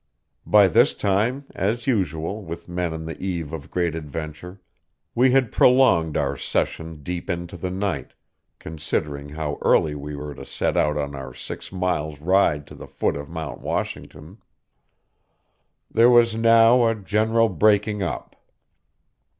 By this time, as usual with men on the eve of great adventure, we had prolonged our session deep into the night, considering how early we were to set out on our six miles' ride to the foot of Mount Washington. There was now a general breaking up.